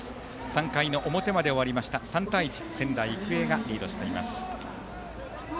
３回の表まで終わって３対１、仙台育英がリードしています。